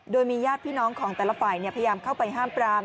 โดยมีญาติพี่น้องของแต่ละฝ่ายพยายามเข้าไปห้ามปราม